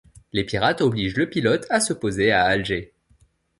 Les pirates obligent le pilote à se poser à Alger.